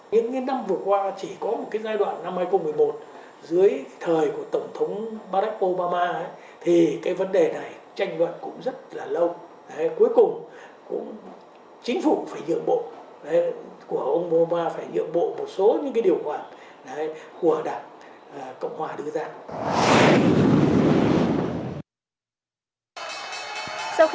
những năm vừa qua chỉ có một cái giai đoạn năm hai nghìn một mươi một dưới thời của tổng thống barack obama thì cái vấn đề này tranh luận cũng rất là lâu